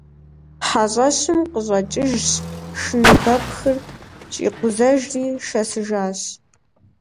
ХьэщӀэщым къыщӀэкӀыжщ, шыныбэпхыр щӀикъузэжри шэсыжащ.